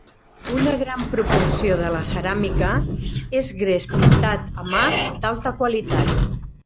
Una gran proporció de la ceràmica és gres pintat a mà d'alta qualitat.